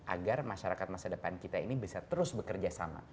agar masyarakat masa depan kita ini bisa terus bekerja sama